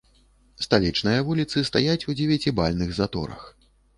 Сталічныя вуліцы стаяць у дзевяцібальных заторах.